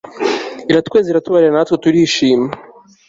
iratweza iratubabarira natwe turishima